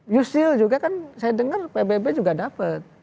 yusil juga kan saya dengar pbb juga dapat